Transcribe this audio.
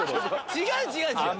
違う違う違う！